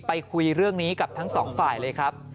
คุยเรื่องนี้กับทั้งสองฝ่ายเลยครับ